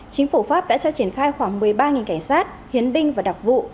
chính phủ pháp đã cho triển khai khoảng một mươi ba cảnh sát hiến binh và đặc vụ